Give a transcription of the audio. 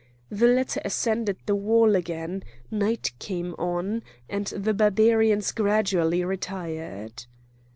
The latter ascended the wall again; night came on; and the Barbarians gradually retired.